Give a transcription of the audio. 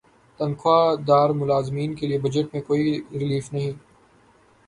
تنخواہ دار ملازمین کے لیے بجٹ میں کوئی ریلیف نہیں